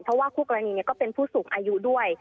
เพราะว่าคู่กรณีก็เป็นผู้สูงอายุด้วย